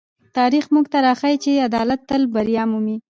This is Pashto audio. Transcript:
تاریخ موږ ته راښيي چې عدالت تل بریا مومي.